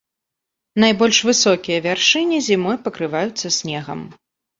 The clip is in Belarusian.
Найбольш высокія вяршыні зімой пакрываюцца снегам.